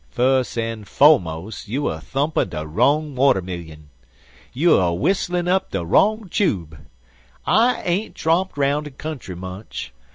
Fus and fo'mus, you er thumpin' de wrong watermillion. You er w'isslin' up de wrong chube. I ain't tromped roun' de country much.